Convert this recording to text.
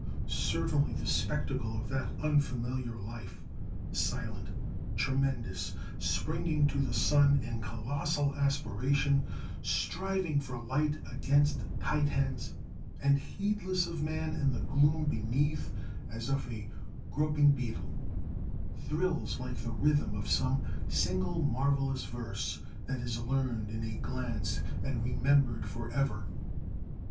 Certainly the spectacle of that unfamiliar life, silent, tremendous, springing to the sun in colossal aspiration, striving for light against Titans, and heedless of man in the gloom beneath as of a groping beetle, thrills like the rhythm of some single marvellous verse that is learned in a glance and remembered forever.